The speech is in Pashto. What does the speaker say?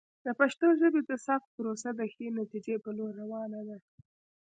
د پښتو ژبې د ثبت پروسه د ښې نتیجې په لور روانه ده.